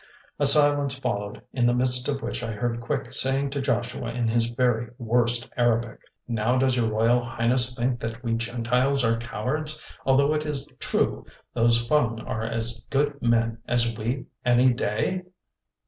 A silence followed, in the midst of which I heard Quick saying to Joshua in his very worst Arabic: "Now does your Royal Highness think that we Gentiles are cowards, although it is true those Fung are as good men as we any day?"